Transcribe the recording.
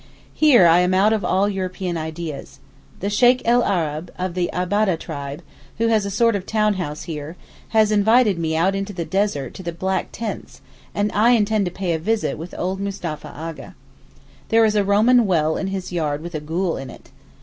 Here I am out of all European ideas. The Sheykh el Arab (of the Ababdeh tribe), who has a sort of town house here, has invited me out into the desert to the black tents, and I intend to pay a visit with old Mustapha A'gha. There is a Roman well in his yard with a ghoul in it.